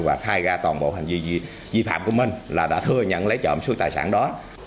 và thay ra toàn bộ hành vi di phạm của mình là đã thừa nhận lấy trộm sưu tài sản đó